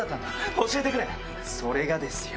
それがですよ。